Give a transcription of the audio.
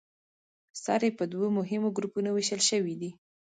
سرې په دوو مهمو ګروپونو ویشل شوې دي.